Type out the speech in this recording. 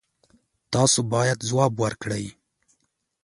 تاسو باید ځواب ورکړئ.